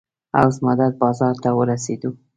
حوض مدد بازار ته ورسېدو.